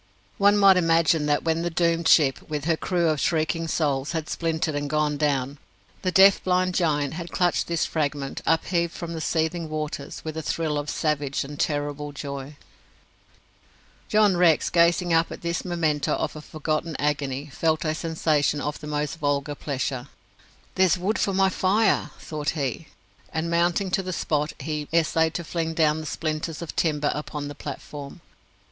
One might imagine that, when the doomed ship, with her crew of shrieking souls, had splintered and gone down, the deaf, blind giant had clutched this fragment, upheaved from the seething waters, with a thrill of savage and terrible joy. John Rex, gazing up at this memento of a forgotten agony, felt a sensation of the most vulgar pleasure. "There's wood for my fire!" thought he; and mounting to the spot, he essayed to fling down the splinters of timber upon the platform.